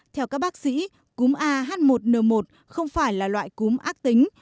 theo các bác sĩ cúm ah một n một không phải là loại cúm ác tính